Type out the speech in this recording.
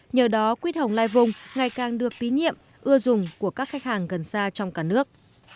nhờ đó quýt hồng lai vung ngày càng được tí nhiệm ưa dùng của các khách hàng gần xa trong cả nước